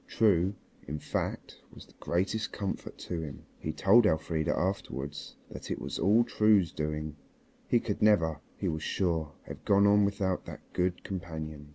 True, in fact, was the greatest comfort to him. He told Elfrida afterwards that it was all True's doing; he could never, he was sure, have gone on without that good companion.